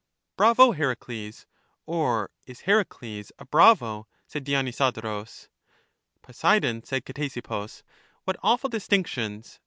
Bravo Heracles, or is Heracles a bravo? said Di onysodorus. Poseidon, said Ctesippus, what awful distinc tions.